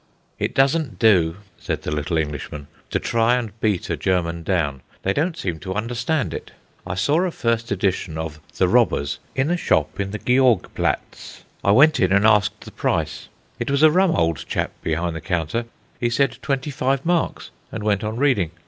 "It doesn't do," said the little Englishman, "to try and beat a German down. They don't seem to understand it. I saw a first edition of The Robbers in a shop in the Georg Platz. I went in and asked the price. It was a rum old chap behind the counter. He said: 'Twenty five marks,' and went on reading.